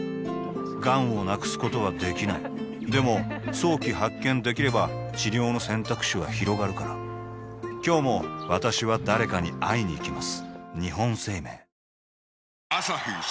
がんを無くすことはできないでも早期発見できれば治療の選択肢はひろがるから今日も私は誰かに会いにいきます